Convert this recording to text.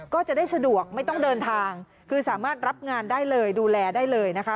ก็จะได้สะดวกไม่ต้องเดินทางคือสามารถรับงานได้เลยดูแลได้เลยนะคะ